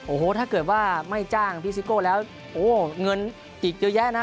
โอ้โหถ้าเกิดว่าไม่จ้างพี่ซิโก้แล้วโอ้เงินอีกเยอะแยะนะ